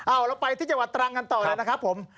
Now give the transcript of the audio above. เอาเราไปที่จังหวัดตรังกันต่อเลยนะครับผม